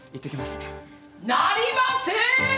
・なりません！